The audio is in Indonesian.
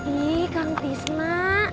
ih kang fiza